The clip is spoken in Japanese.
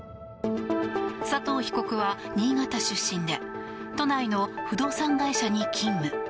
佐藤被告は新潟出身で都内の不動産会社に勤務。